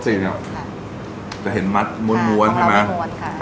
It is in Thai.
ปกติเนี้ยค่ะจะเห็นมัดม้วนม้วนใช่ไหมค่ะอันนี้ไม่ม้วนค่ะ